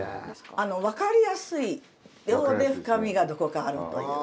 分かりやすいようで深みがどこかあるという。